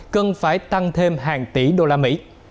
cần phải tăng thêm hàng tỷ đô la mỹ